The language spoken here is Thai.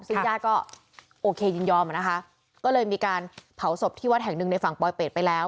ซึ่งญาติก็โอเคยินยอมอ่ะนะคะก็เลยมีการเผาศพที่วัดแห่งหนึ่งในฝั่งปลอยเป็ดไปแล้ว